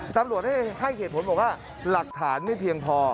ตำรวจให้เหตุผลบอกว่าหลักฐานไม่เพียงพอ